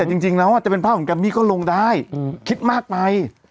แต่จริงแล้วจะเป็นภาพของแกมมี่ก็ลงได้คิดมากไป